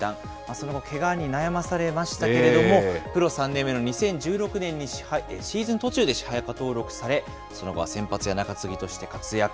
その後、けがに悩まされましたけれども、プロ３年目の２０１６年にシーズン途中で支配下登録され、その後は先発や中継ぎとして活躍。